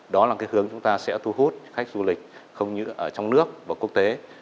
đó là cái hướng chúng ta sẽ thu hút khách du lịch không những ở trong nước và quốc tế